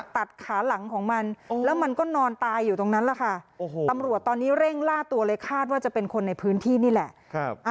ตัดขาหลังของมันแล้วมันก็นอนตายอยู่ตรงนั้นแหละค่ะตำรวจตอนนี้เร่งล่าตัวเลยคาดว่าจะเป็นคนในพื้นที่นี่แหละ